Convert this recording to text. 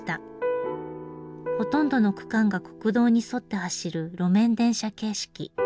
ほとんどの区間が国道に沿って走る路面電車形式。